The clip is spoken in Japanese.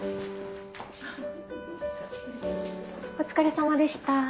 お疲れさまでした。